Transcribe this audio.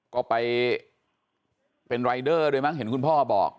ก็ไปเป็นรายเดอร์ด้วยมั้งเห็นคุณพ่อบอก